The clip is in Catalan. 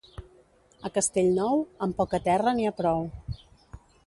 A Castellnou, amb poca terra n'hi ha prou.